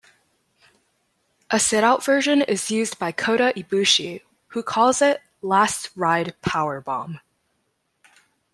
A sitout version is used by Kota Ibushi who calls it "Last Ride Powerbomb".